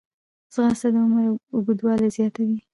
ځغاسته د عمر اوږدوالی زیاتوي